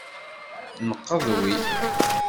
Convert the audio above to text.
Nqedwi.